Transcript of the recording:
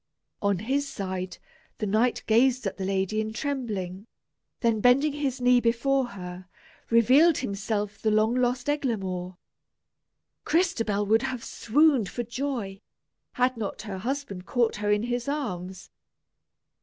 On his side, the knight gazed at the lady in trembling, then bending his knee before her, revealed himself the long lost Eglamour. Crystabell would have swooned for joy, had not her husband caught her in his arms.